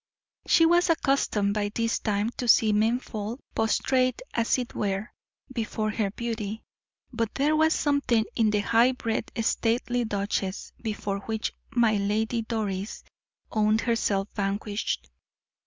She was accustomed by this time to see men fall prostrate, as it were, before her beauty, but there was something in the high bred, stately duchess before which my Lady Doris owned herself vanquished.